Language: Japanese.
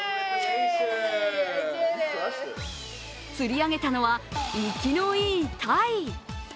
つり上げたのは生きのいいタイ。